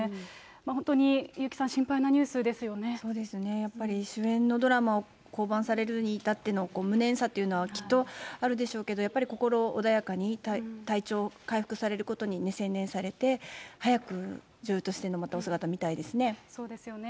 本当に、優木さん、そうですね、やっぱり主演のドラマを降板されるに至っての、無念さというのは、きっとあるでしょうけど、やっぱり心穏やかに、体調を回復されることに専念されて、早く女優としての、そうですよね。